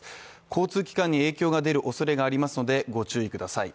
交通機関に影響が出るおそれがありますのでご注意ください。